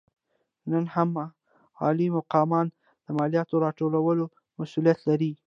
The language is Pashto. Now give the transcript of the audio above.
نن هم عالي مقامان د مالیاتو راټولولو مسوولیت لري.